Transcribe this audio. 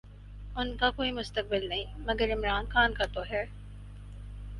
ان کا کوئی مستقبل نہیں، مگر عمران خان کا تو ہے۔